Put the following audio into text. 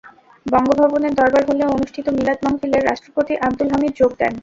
বঙ্গভবনের দরবার হলে অনুষ্ঠিত মিলাদ মাহফিলে রাষ্ট্রপতি আবদুল হামিদ যোগ দেন।